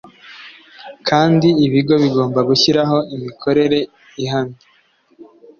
Kandi ibigo bigomba gushyiraho imikorere ihamye